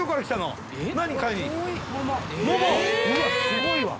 すごいわ。